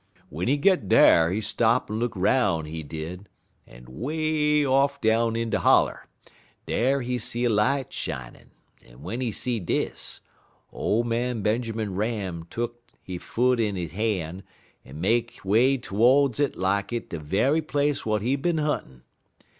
W'en he git dar he stop en look 'roun', he did, en 'way off down in de holler, dar he see a light shinin', en w'en he see dis, ole man Benjermun Ram tuck he foot in he han', en make he way todes it des lak it de ve'y place w'at he bin huntin'.